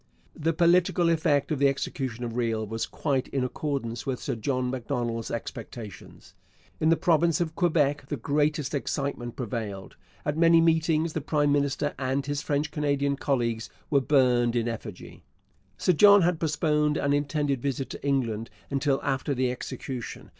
The political effect of the execution of Riel was quite in accordance with Sir John Macdonald's expectations. In the province of Quebec the greatest excitement prevailed. At many meetings the prime minister and his French Canadian colleagues were burned in effigy. Sir John had postponed an intended visit to England until after the execution.